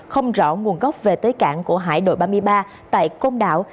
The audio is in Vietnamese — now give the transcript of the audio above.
không rõ nguồn gốc về tới cảng của hải đội ba mươi ba tại côn đảo